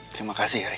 terima kasih heri